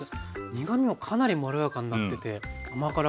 苦みもかなりまろやかになってて甘辛くて。